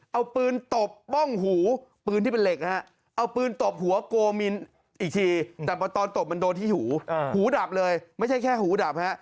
เอาปืนตบป้องหูปืนที่เป็นเหล็กนะครับ